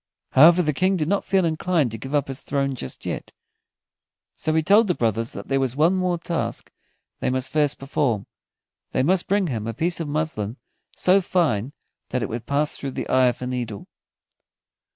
However, the King did not feel inclined to give up his throne just yet, so he told the brothers that there was one more task they must first perform: they must bring him a piece of muslin so fine that it would pass through the eye of a needle.